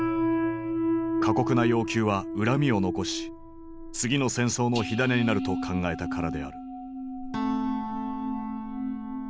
過酷な要求は恨みを残し次の戦争の火種になると考えたからである。